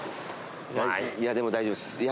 いやでも大丈夫です